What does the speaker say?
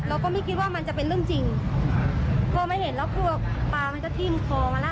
เราก็ไม่คิดว่ามันจะเป็นเรื่องจริงพอไม่เห็นแล้วคือปลามันจะที่มุกฟองมาละ